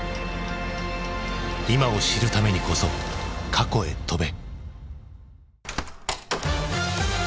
今を知るためにこそ過去へ飛べ。